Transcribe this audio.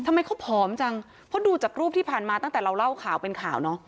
ทำไมเขาผอมจังเพราะดูจากรูปที่ผ่านมาตั้งแต่เราเล่าข่าวเป็นข่าวเนอะ